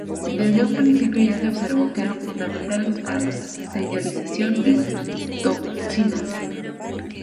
Desde un principio ya se observó que eran fundamentales para la señalización de citocinas.